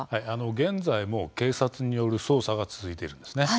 現在も警察による捜査が続いているんです。